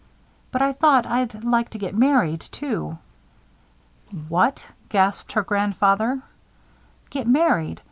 But I thought I'd like to get married, too." "What!" gasped her grandfather. "Get married.